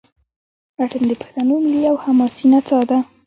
اټن د پښتنو ملي او حماسي نڅا ده.